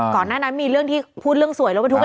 ขอแนะนำมีเรื่องที่พูดเรื่องสวยแล้วไปทุกอันนี้